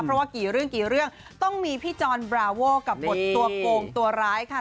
เพราะว่ากี่เรื่องกี่เรื่องต้องมีพี่จรบราโวกับบทตัวโกงตัวร้ายค่ะ